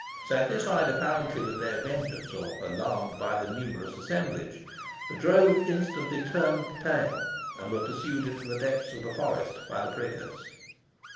Satisfied, apparently, with their vengeance, or alarmed by the numerous assemblage, the drove instantly turned tail and were pursued into the depths of the forest by the prickers.